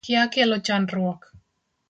Kia kelo chandruok